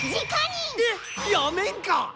えっ⁉やめんかっ！